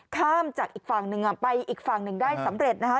ข้ามจากอีกฝั่งหนึ่งไปอีกฝั่งหนึ่งได้สำเร็จนะคะ